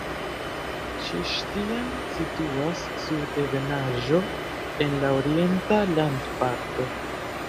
Ĉiŝtian situas sur ebenaĵo en la orienta landparto.